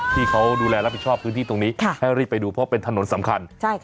ที่เขาดูแลรับผิดชอบพื้นที่ตรงนี้ให้รีบไปดูเพราะเป็นถนนสำคัญ